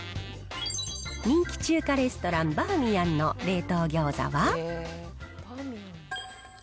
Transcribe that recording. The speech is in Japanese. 人気中華レストラン、バーミヤンの冷凍餃子は。